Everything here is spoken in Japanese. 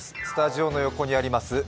スタジオの横にあります